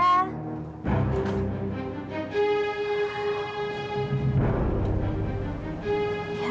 ya ampun ya